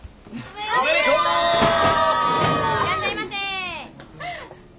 いらっしゃいませ。